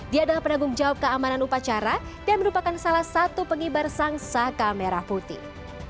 dia adalah penanggung jawab keamanan upacara dan merupakan salah satu pengibar sang saka merah putih